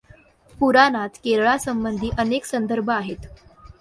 पुराणात केरळासबंधी अनेक संदर्भ आहेत.